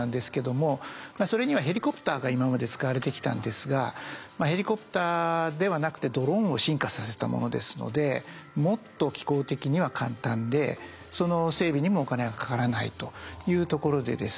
それにはヘリコプターが今まで使われてきたんですがヘリコプターではなくてドローンを進化させたものですのでもっと機構的には簡単でその整備にもお金がかからないというところでですね